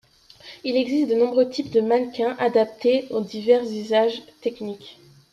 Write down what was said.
Il existe de nombreux types de mannequins adaptés aux divers usages techniques.